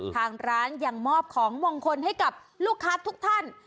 ทางร้านยังมอบของมงคลให้กับลูกค้าทุกท่าน